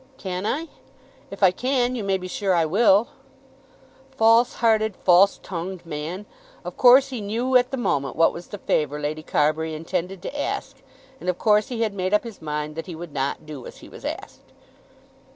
"Can I? If I can, you may be sure I will." False hearted, false tongued man! Of course he knew at the moment what was the favour Lady Carbury intended to ask, and of course he had made up his mind that he would not do as he was asked.